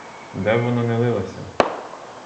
Де вона не лилася?